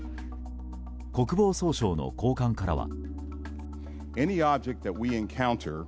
国防総省の高官からは。